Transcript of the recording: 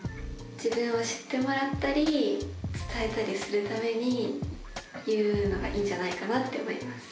自分を知ってもらったり伝えたりするために言うのがいいんじゃないかなって思います。